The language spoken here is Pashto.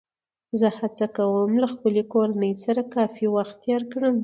زه هڅه کوم له خپلې کورنۍ سره کافي وخت تېر کړم